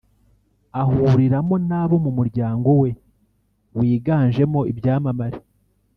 ahuriramo n’abo mu muryango we wiganjemo ibyamamare